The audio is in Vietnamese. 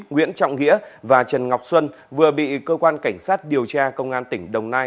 nguyễn trọng nghĩa và trần ngọc xuân vừa bị cơ quan cảnh sát điều tra công an tỉnh đồng nai